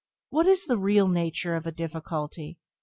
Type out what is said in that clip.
What is the real nature of a difficulty?